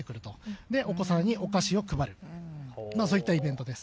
そしてお子さんにお菓子を配るというイベントです。